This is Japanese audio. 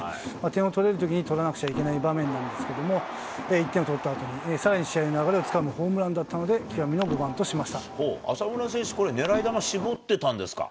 点を取れるときに取らなくちゃいけない場面なんですけれども、１点を取ったあとに、さらに試合の流れをつかむホームランだった浅村選手、これ、狙い球絞ってたんですか？